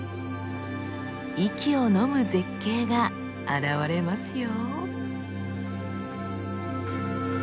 息をのむ絶景が現れますよ。